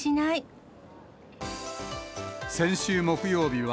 先週木曜日は、